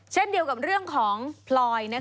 เช่นเดียวกับเรื่องของพลอย